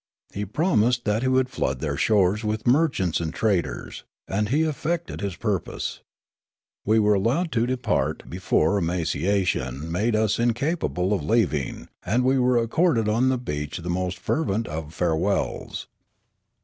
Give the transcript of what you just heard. He promised that he would flood their shores with merchants and traders ; and he effected his purpose. We were allowed to depart before emaci ation made us incapable of leaving ; and we were accorded on the beach the most fervent of farewells.